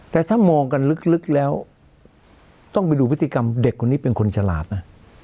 แต่ถ้ามองกันลึกแล้วต้องไปดูพฤติกรรมเด็กคนนี้เป็นคนฉลาดนะ